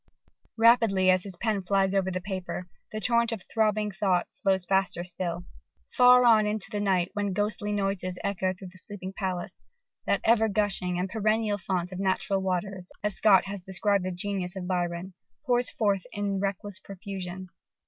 _ Rapidly as his pen flies over the paper, the torrent of throbbing thought flows faster still. Far on into the night, when ghostly noises echo through the sleeping palace, "that ever gushing and perennial fount of natural waters," as Scott has described the genius of Byron, pours forth in reckless profusion.